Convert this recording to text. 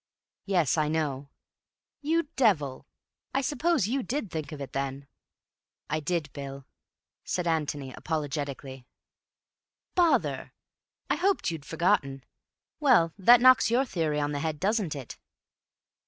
"Yes, I know." "You devil, I suppose you did think of it, then?" "I did, Bill," said Antony apologetically. "Bother! I hoped you'd forgotten. Well, that knocks your theory on the head, doesn't it?"